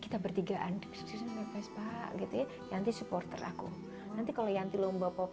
kita bertiga anti susun vespa gitu ya nanti supporter aku nanti kalau yanti lomba pop